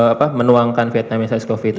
apa menuangkan vietnamese ice covid itu